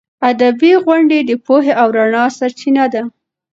ادبي غونډې د پوهې او رڼا سرچینه ده.